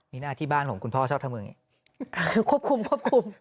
นี่หน้าที่บ้านผมคุณพ่อชอบทำแบบนี้